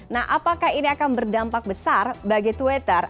nah apakah ini akan berdampak besar bagi twitter